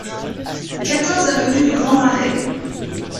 quatorze avenue du Grand Marais